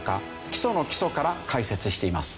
基礎の基礎から解説しています。